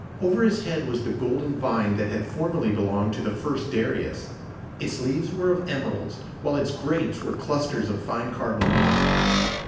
Over his head was the golden vine that had formerly belonged to the first Darius. Its leaves were of emeralds, while its grapes were clusters of fine carbuncles.